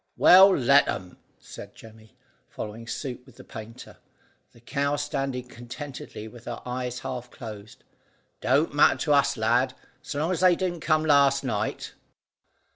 "Well, let 'em," said Jemmy, following suit with the painter, the cow standing contentedly with her eyes half closed. "Don't matter to us, lad, so long as they didn't come last night."